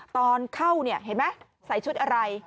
ตอนเข้าเห็นไหมใส่ชุดอะไร